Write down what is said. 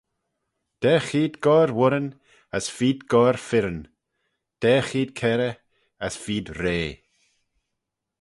Daa cheead goair woirryn, as feed goair fyrryn, daa cheead keyrrey, as feed rea.